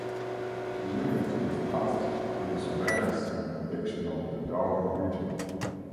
The unit was tasked with the surveillance and protection of the Darwin region.